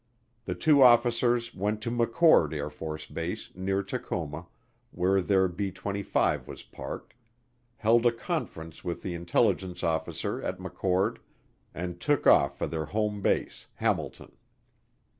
The two officers went to McChord AFB, near Tacoma, where their B 25 was parked, held a conference with the intelligence officer at McChord, and took off for their home base, Hamilton.